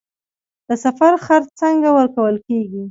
د سفر خرڅ څنګه ورکول کیږي؟